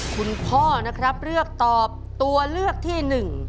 คุณพ่อนะครับเลือกตอบตัวเลือกที่๑